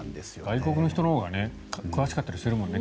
外国の人のほうが詳しかったりするもんね。